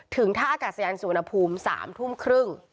ถึงท่าอากาศยานสุนภูมิ๓ทุ่มครึ่ง